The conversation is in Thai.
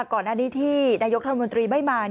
ก่อนอันนี้ที่นายกธรรมดิมนตรีไม่มา